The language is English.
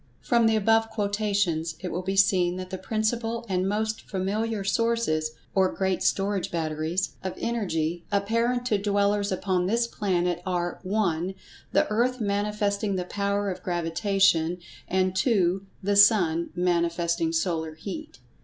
From the above quotations, it will be seen that the principal and most familiar sources (or great storage batteries) of Energy, apparent to dwellers upon this planet, are (1) the Earth manifesting the Power of Gravitation; and (2) the Sun, manifesting solar heat.